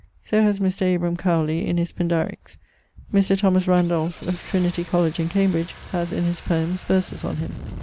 So haz Mr. Abraham Cowley in his Pindariques. Mr. Thomas Randolph of Trin. Coll. in Cambr. haz in his poems verses on him.